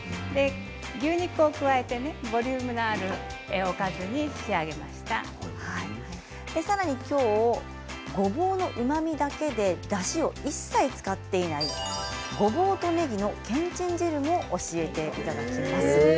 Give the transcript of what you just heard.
牛肉を加えてボリュームのあるさらにごぼうのうまみだけでだしを一切使っていないごぼうとねぎのけんちん汁もご紹介していただきます。